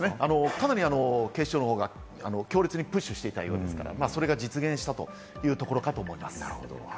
かなり警視庁のほうが強烈にプッシュしたわけですから、それが実現したということだと思います。